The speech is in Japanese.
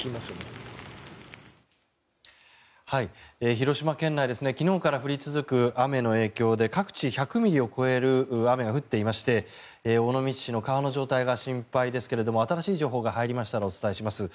広島県内昨日から降り続く雨の影響で各地、１００ミリを超える雨が降っていまして尾道市の川の状態が心配ですが新しい情報が入りましたらお伝えします。